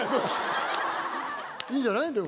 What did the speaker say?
いいんじゃない？